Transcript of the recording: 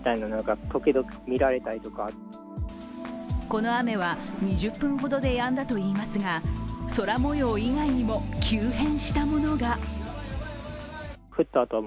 この雨は２０分ほどでやんだといいますが空もよう以外にも急変したものが。